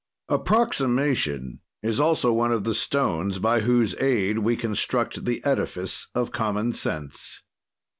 "Approximation is also one of the stones by whose aid we construct the edifice of common sense.